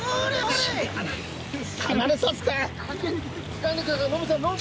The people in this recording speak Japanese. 掴んでください。